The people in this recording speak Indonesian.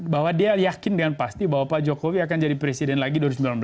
bahwa dia yakin dengan pasti bahwa pak jokowi akan jadi presiden lagi dua ribu sembilan belas